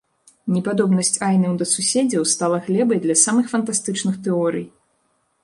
Непадобнасць айнаў да суседзяў стала глебай для самых фантастычных тэорый.